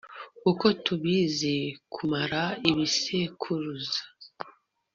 uko tubizi, kumara ibisekuruza